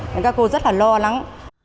các cô rất là lo lắng